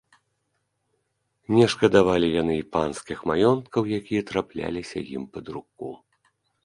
Не шкадавалі яны і панскіх маёнткаў, якія трапляліся ім пад руку.